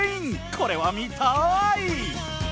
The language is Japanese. これは見たい！